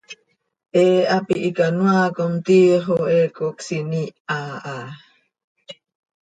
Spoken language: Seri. He hapi hicanoaa com, tiix oo he cocsiin iiha ha.